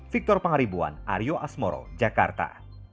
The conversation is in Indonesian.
victor pangaribuan aryo asmoro jakarta